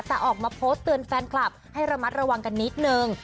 แต่ออกมาโพสต์เตือนแฟนคลับให้ระมัดระวังกันนิดนึง